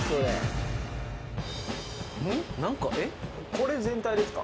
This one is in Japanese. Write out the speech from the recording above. これ全体ですか？